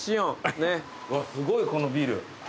うわすごいこのビル。